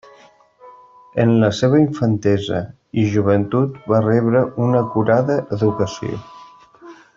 En la seva infantesa i joventut va rebre una acurada educació.